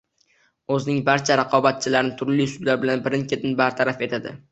o‘zining barcha raqobatchilarini turli usullar bilan birin-ketin bartaraf etadi